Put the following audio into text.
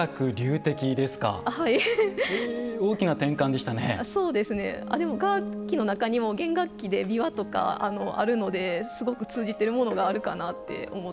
でも楽器の中にも絃楽器で琵琶とかあるのですごく通じてるものがあるかなって思っております。